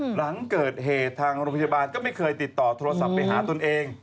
หลังเกิดเหตุทางโรงพยาบาลก็ไม่เคยติดต่อโทรศัพท์ไปหาตนเอง